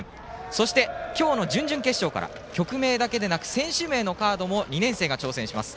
そして、今日の準々決勝から曲名だけでなく選手名のカードも２年生が担当します。